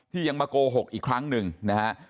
ยังมาโกหกอีกครั้งหนึ่งนะฮะ